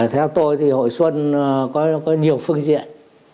theo tôi thì hội xuân có nhiều phương diện